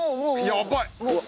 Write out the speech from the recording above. やばい！